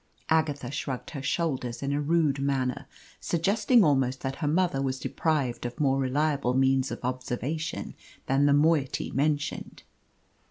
Agatha shrugged her shoulders in a rude manner, suggesting almost that her mother was deprived of more reliable means of observation than the moiety mentioned.